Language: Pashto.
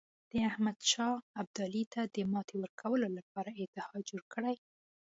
د احمدشاه ابدالي ته د ماتې ورکولو لپاره اتحاد جوړ کړي.